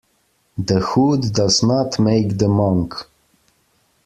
The hood does not make the monk.